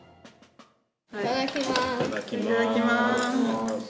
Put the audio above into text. いただきます。